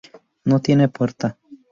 No tiene puerta.